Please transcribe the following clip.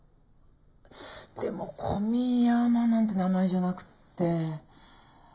でも古宮山なんて名前じゃなくって。